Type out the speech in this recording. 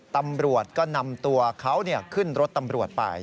ตำรวจก็นำตัวเขาขึ้นรถตำรวจไป